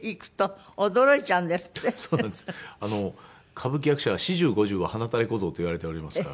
歌舞伎役者は「四十五十は洟垂れ小僧」といわれておりますから。